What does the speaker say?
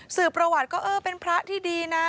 สื่อประวัติก็เออเป็นพระที่ดีนะ